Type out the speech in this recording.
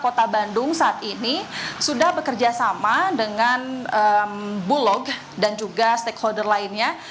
kota bandung saat ini sudah bekerja sama dengan bulog dan juga stakeholder lainnya